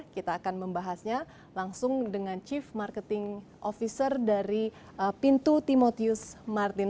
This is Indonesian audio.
kita akan membahasnya langsung dengan chief marketing officer dari pintu timotius martin